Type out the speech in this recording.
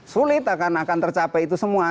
sulit akan akan tercapai itu semua